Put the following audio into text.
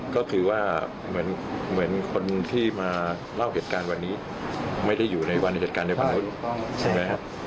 ก็ถือว่าเหมือนคนที่มาเล่าเหตุการณ์วันนี้ไม่ได้อยู่ในวันเหตุการณ์ในวันพุธใช่ไหมครับ